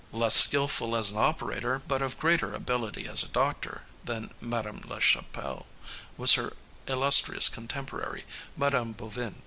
Less skillful as an operator, but of greater ability as a doctor than Mme. La Chapelle, was her illustrious contemporary, Mme. Bovin.